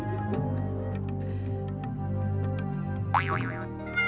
bapak aku mau nulis buku tamu